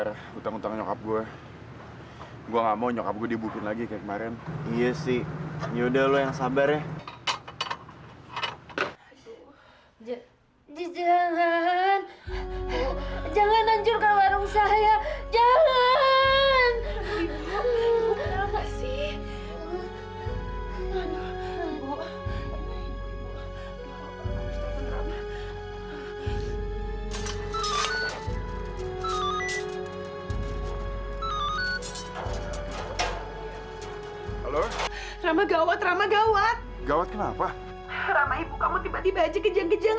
rama ibu kamu tiba tiba aja kejang kejang